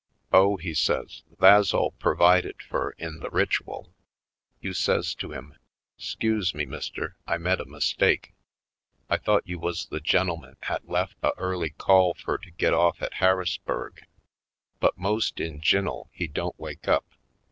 *'Oh," he says, "tha's all purvided fur in the ritual. You sez to him: ' 'Scuse me, mister, I med a mistake. I thought you wuz the gen'lman 'at lef a early call fur to git off at Harrisburg.' But most in gine'l he don't wake up.